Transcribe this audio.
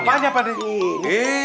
apaan aja pada ini